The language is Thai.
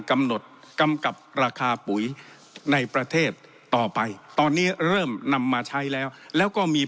กำหนดกำกับราคาปุ๋ยในประเทศต่อไปตอนนี้เริ่มนำมาใช้แล้วแล้วก็มี